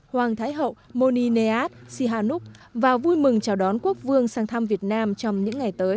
hoàng thái hậu moniead sihanuk và vui mừng chào đón quốc vương sang thăm việt nam trong những ngày tới